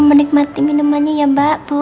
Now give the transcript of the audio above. kau menikmati minumannya ya mbak bu